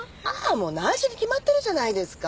もう内緒に決まってるじゃないですか。